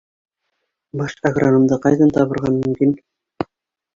Баш агрономды ҡайҙан табырға мөмкин?